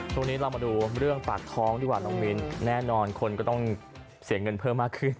ช่วงนี้เรามาดูเรื่องปากท้องดีกว่าน้องมิ้นแน่นอนคนก็ต้องเสียเงินเพิ่มมากขึ้น